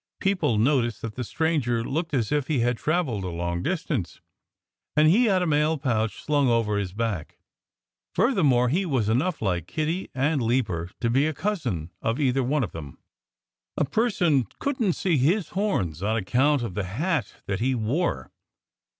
People noticed that the stranger looked as if he had travelled a long distance. And he had a mail pouch slung over his back. Furthermore, he was enough like Kiddie and Leaper to be a cousin of either one of them. A person couldn't see his horns, on account of the hat that he wore.